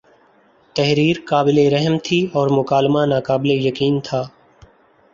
تحریر قابل رحم تھی اور مکالمہ ناقابل یقین تھا